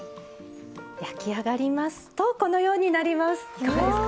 焼き上がりますとこのようになります。